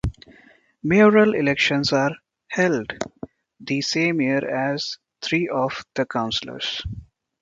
Mayoral elections are held the same year as three of the councilors.